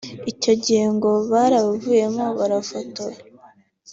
Icyo gihe ngo babuvuyemo barafotowe